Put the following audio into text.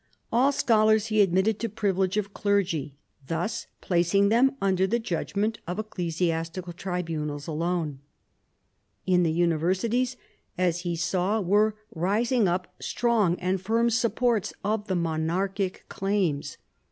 156 PHILIP AUGUSTUS chap. All scholars he admitted to privilege of clergy, thus placing them under the judgment of ecclesiastical tribunals alone. In the universities, as he saw, were rising up strong and firm supports of the monarchic claims.